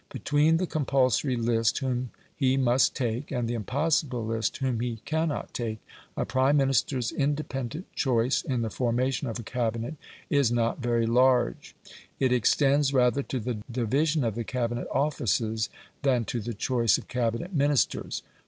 Between the compulsory list whom he must take, and the impossible list whom he cannot take, a Prime Minister's independent choice in the formation of a Cabinet is not very large; it extends rather to the division of the Cabinet offices than to the choice of Cabinet Ministers.